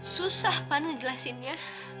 susah pan ngejelasinnya